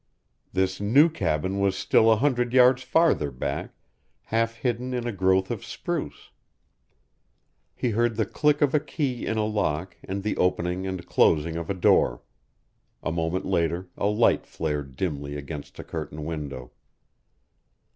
This new cabin was still a hundred yards farther back, half hidden in a growth of spruce. He heard the click of a key in a lock and the opening and closing of a door. A moment later a light flared dimly against a curtained window.